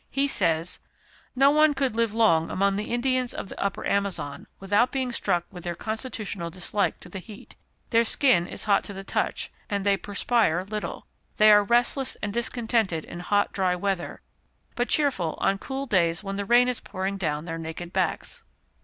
He says: "No one could live long among the Indians of the Upper Amazon without being struck with their constitutional dislike to the heat ... Their skin is hot to the touch, and they perspire little ... They are restless and discontented in hot, dry weather, but cheerful on cool days, when the rain is pouring down their naked backs."